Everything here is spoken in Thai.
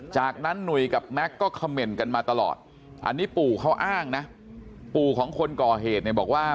จากนั้นหนุ่ยกับแม็กซ์ก็เขม่นกันมาตลอดอันนี้ปู่เขาอ้างนะปู่ของคนก่อเหตุเนี่ยบอกว่า